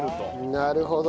なるほど！